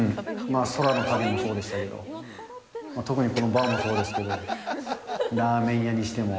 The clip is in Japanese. まあ空の旅もそうでしたけど、特にこのバーもそうですけど、ラーメン屋にしても。